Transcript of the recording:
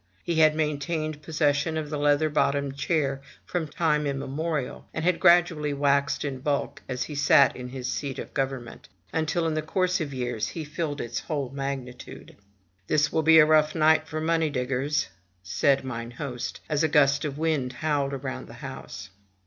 He had maintained possession of the leather bottomed chair from time immemorial; and had gradually vvaxed in bulk as he sat in his seat of government, until in the course of years he filled its whole magnitude. "This will be a rough night for the money diggers, '* said mine host, as a gust of wind howled round the house.